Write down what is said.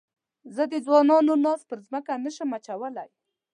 زه د ځوانانو ناز پر مځکه نه شم اچولای.